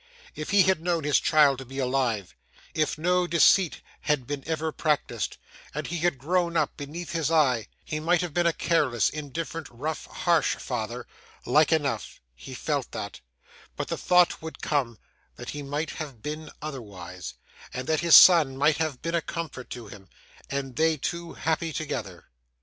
If he had known his child to be alive; if no deceit had been ever practised, and he had grown up beneath his eye; he might have been a careless, indifferent, rough, harsh father like enough he felt that; but the thought would come that he might have been otherwise, and that his son might have been a comfort to him, and they two happy together.